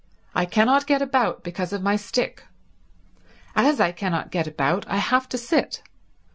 I cannot get about, because of my stick. As I cannot get about I have to sit.